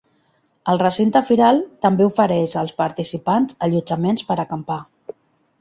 El recinte firal també ofereix als participants allotjaments per acampar.